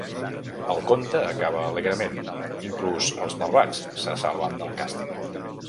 El conte acaba alegrement, inclús els malvats se salven del càstig.